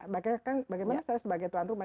bahkan bagaimana saya sebagai tuan rumah